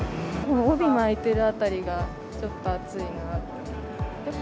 帯巻いてる辺りが、ちょっと暑いなと。